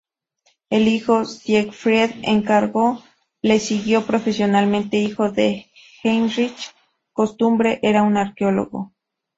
El hijo Siegfried encargo le siguió profesionalmente, hijo de Heinrich costumbre era un arqueólogo.